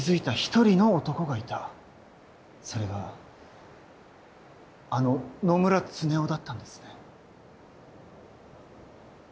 それがあの野村恒雄だったんですね？